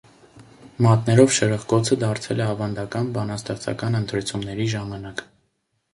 Մատներով շրխկոցը դարձել է ավանդական բանաստեղծական ընթերցումների ժամանակ։